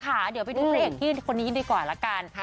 ค่ะเดี๋ยวไปดูเลขที่คนนี้ยินดีกว่าละกัน